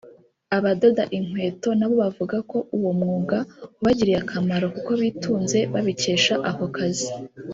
Abadoda inkweto na bo bavuga ko uwo mwuga wabagiriye akamaro kuko bitunze babikesha ako kazi